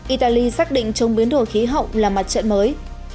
italy xác định chống biến đổi khí hậu là mặt trận mới